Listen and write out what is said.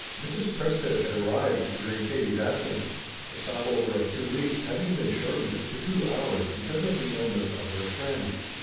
Mrs. Prescott had arrived during Katie's absence, a stop over of two weeks having been shortened to two hours because of the illness of her friend.